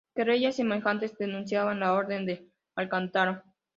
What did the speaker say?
Querellas semejantes denunciaba la Orden de Alcántara.